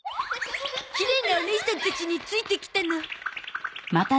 きれいなおねいさんたちについてきたの。